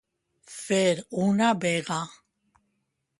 Fer una vega.